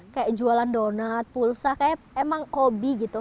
kayak jualan donat pulsa kayak emang hobi gitu